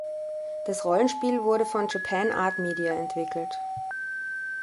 Das Rollenspiel wurde von Japan Art Media entwickelt.